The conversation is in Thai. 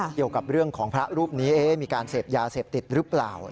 เกี่ยวกับเรื่องของพระรูปนี้มีการเสพยาเสพติดหรือเปล่า